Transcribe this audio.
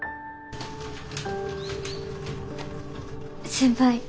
先輩。